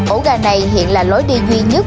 ổ gà này hiện là lối đi duy nhất